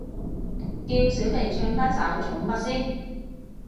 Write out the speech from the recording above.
叫小肥唱返首寵物先